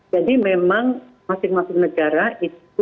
jadi memang masing masing negara itu